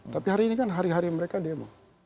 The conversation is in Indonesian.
tapi hari ini kan hari hari mereka demo